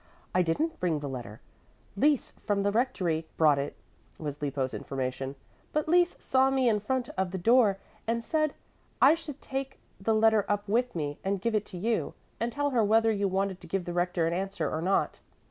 "I didn't bring the letter. Lise from the rectory brought it," was Lippo's information. "But Lise saw me in front of the door and said that I should take the letter up with me and give it to you, and tell her whether you wanted to give the Rector an answer or not."